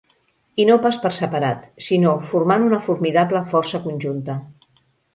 I no pas per separat, sinó formant una formidable força conjunta.